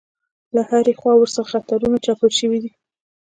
له هرې خوا ورڅخه خطرونه چاپېر شوي دي.